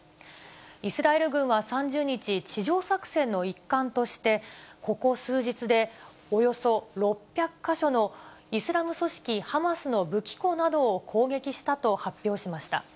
イスラエル軍は３０日、地上作戦の一環として、ここ数日で、およそ６００か所のイスラム組織ハマスの武器庫などを攻撃したと発表しました。